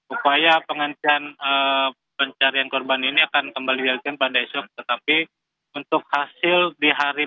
upaya pencarian korban ini akan kembali dilakukan pada esok tetapi untuk hasil di hari